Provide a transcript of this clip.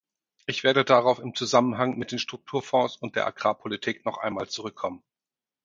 Ich werde darauf im Zusammenhang mit den Strukturfonds und der Agrarpolitik noch einmal zurückkommen.